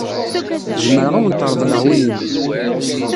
Zemreɣ ad awent-reḍleɣ win-inu.